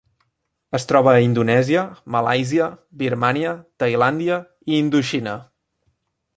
Es troba a Indonèsia, Malàisia, Birmània, Tailàndia i Indoxina.